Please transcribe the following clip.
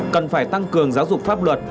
cần phải tăng cường giáo dục pháp luật